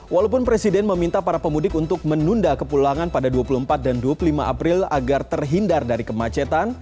walaupun presiden meminta para pemudik untuk menunda kepulangan pada dua puluh empat dan dua puluh lima april agar terhindar dari kemacetan